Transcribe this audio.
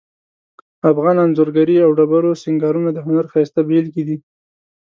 افغان انځورګری او ډبرو سنګارونه د هنر ښایسته بیلګې دي